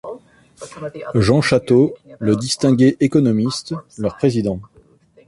Jean Chateau, le distingué économiste, leur président.